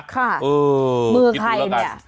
ค่ะมือใครเนี่ย